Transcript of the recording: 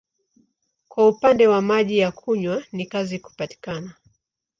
Kwa upande wa maji ya kunywa ni kazi kupatikana.